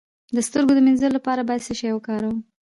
د سترګو د مینځلو لپاره باید څه شی وکاروم؟